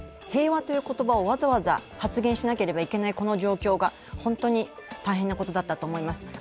平和という言葉をわざわざ発言しないといけないこの状況が本当に大変なことだったと思います。